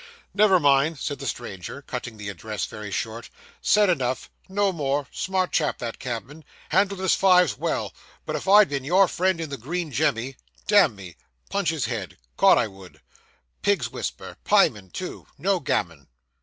'Never mind,' said the stranger, cutting the address very short, 'said enough no more; smart chap that cabman handled his fives well; but if I'd been your friend in the green jemmy damn me punch his head, 'cod I would, pig's whisper pieman too, no gammon.